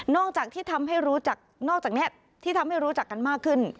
จากที่ทำให้รู้จักนอกจากนี้ที่ทำให้รู้จักกันมากขึ้น